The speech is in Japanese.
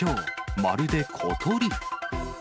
まるで小鳥。